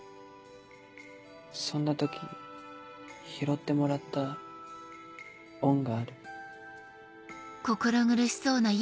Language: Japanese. そんな時拾ってもらった恩がある。